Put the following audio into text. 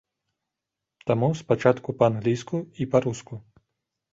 Таму спачатку па-англійску і па-руску.